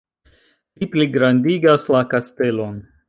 Li pligrandigas la kastelon.